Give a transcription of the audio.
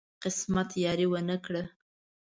قسمت یاري ونه کړه.